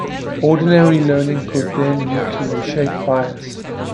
Ordinary learning could, then, lead to a shape bias.